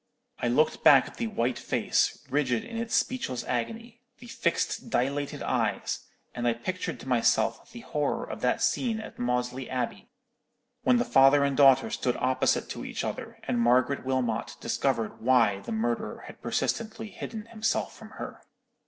I looked back at the white face, rigid in its speechless agony; the fixed, dilated eyes; and I pictured to myself the horror of that scene at Maudesley Abbey, when the father and daughter stood opposite to each other, and Margaret Wilmot discovered why the murderer had persistently hidden himself from her.